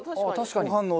確かに。